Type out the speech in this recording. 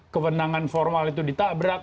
kewenangan formal itu ditabrak